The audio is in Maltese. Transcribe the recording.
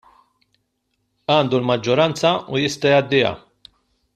Għandu l-maġġoranza u jista' jgħaddiha.